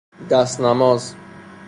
دست نماز